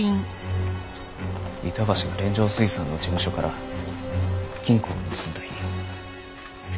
板橋が連城水産の事務所から金庫を盗んだ日。